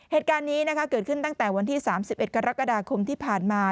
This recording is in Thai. เหตุการณ์นี้เกิดขึ้นตั้งแต่วันที่๓๑กรกฎาคมที่ผ่านมา